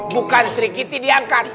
bukan sri kiti diangkat